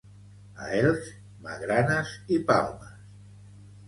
A Elx, magranes i palmes.